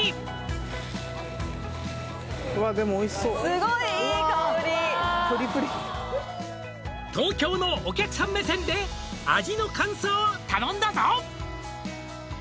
すごいいい香り「東京のお客さん目線で味の感想を頼んだぞ」